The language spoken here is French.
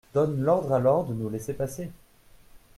Donne l'ordre alors de nous laisser passer.